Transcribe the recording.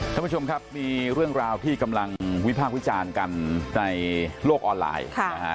ท่านผู้ชมครับมีเรื่องราวที่กำลังวิพากษ์วิจารณ์กันในโลกออนไลน์นะฮะ